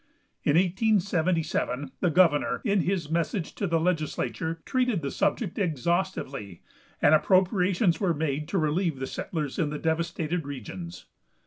In 1877 the governor, in his message to the legislature, treated the subject exhaustively, and appropriations were made to relieve the settlers in the devastated regions.